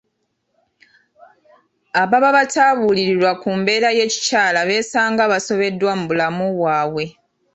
Ababa batabuulirirwa ku mbeera ey'ekikyala beesanga basobeddwa mu bulamu bwabwe.